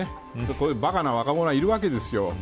こういう、ばかな若者はいるわけです。